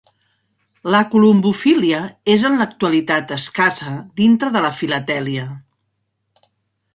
La columbofília és en l'actualitat escassa dintre de la filatèlia.